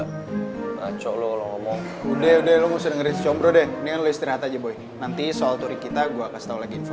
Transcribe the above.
kacau lo kalau ngomong udah udah lu gak usah dengerin si combro deh ini kan lu istirahat aja boy nanti soal turi kita gue kasih tau lagi info